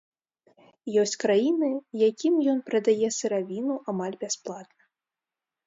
Ёсць краіны, якім ён прадае сыравіну амаль бясплатна.